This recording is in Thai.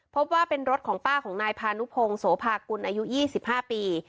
พบว่าเป็นรถของป้าของนายพานุพงโสภากุลอายุ๒๕ปี